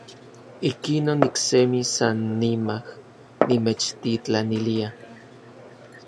Ikinon, iksemi sannimaj nimechtitlanilia.